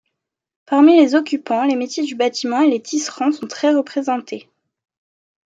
Parmi les occupants, les métiers du bâtiment et les tisserands sont très représentés.